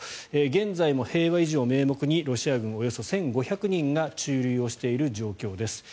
現在も平和維持を名目にロシア軍およそ１５００人が駐留をしている状況です。